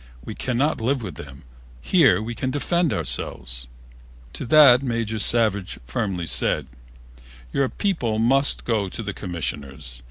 We cannot live with them. Here we can defend ourselves." To the Major Savage firmly said, "Your people must go to the Commissioners.